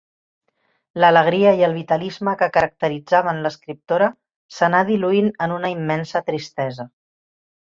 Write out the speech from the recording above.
L’alegria i el vitalisme que caracteritzaven l’escriptora s’anà diluint en una immensa tristesa.